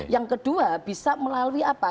yang kedua bisa melalui apa